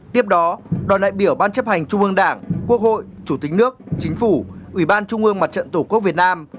tiếp đó đoàn đại biểu ban chấp hành trung ương đảng quốc hội chủ tịch nước chính phủ ủy ban trung ương mặt trận tổ quốc việt nam